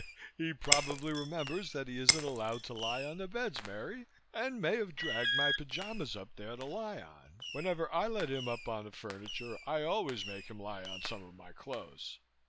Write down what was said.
"He probably remembers that he isn't allowed to lie on the beds, Mary, and may have dragged my pyjamas up there to lie on. Whenever I let him up on the furniture I always make him lie on some of my clothes."